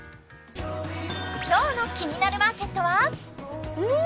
今日の「キニナルマーケット」はうーん！